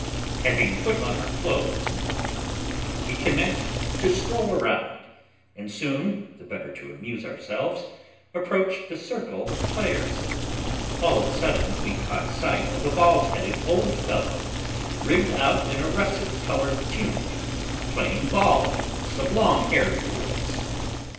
Having put on our clothes, in the meantime, we commenced to stroll around and soon, the better to amuse ourselves, approached the circle of players; all of a sudden we caught sight of a bald headed old fellow, rigged out in a russet colored tunic, playing ball with some long haired boys.